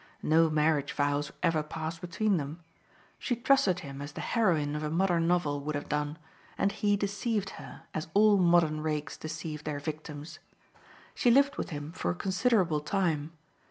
No marriage vows ever passed between them; she trusted him as the heroine of a modern novel would have done, and he deceived her, as all modern rakes deceive their victims. She lived with him for a considerable time.